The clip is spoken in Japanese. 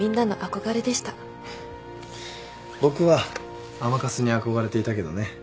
僕は甘春に憧れていたけどね。